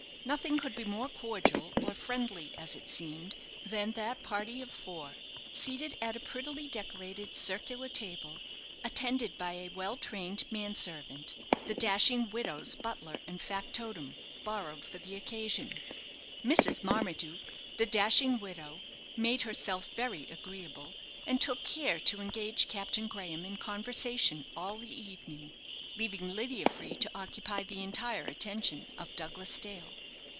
Nothing could be more cordial or friendly, as it seemed, than that party of four, seated at a prettily decorated circular table, attended by a well trained man servant the dashing widow's butler and factotum, borrowed for the occasion. Mrs. Marmaduke, the dashing widow, made herself very agreeable, and took care to engage Captain Graham in conversation all the evening, leaving Lydia free to occupy the entire attention of Douglas Dale.